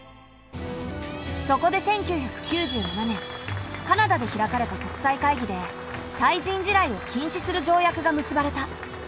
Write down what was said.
そこで１９９７年カナダで開かれた国際会議で対人地雷を禁止する条約が結ばれた。